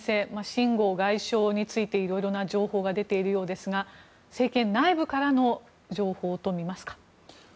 シン・ゴウ外相についていろいろな情報が出ているわけですが政権内部からの情報と見ますか？